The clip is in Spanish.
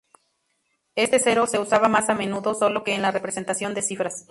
Este cero se usaba más a menudo solo que en la representación de cifras.